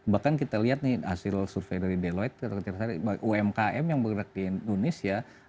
bahkan kita lihat nih hasil survei dari deloit umkm yang bergerak di indonesia